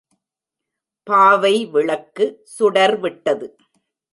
பாவை விளக்கு சுடர் விட்டது.